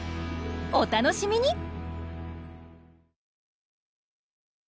お楽しみに！